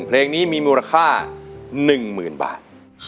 เพลงนี้มีมูลค่า๑๐๐๐บาท